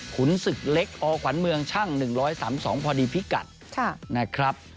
ขุนศึกเล็กอขวัญเมืองช่างหนึ่งร้อยสามสองพอดีพิกัดค่ะนะครับ